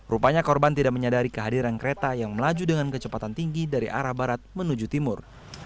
rupanya korban tidak menyadari kehadiran kereta yang melaju dengan kecepatan tinggi dari arah barat menuju timur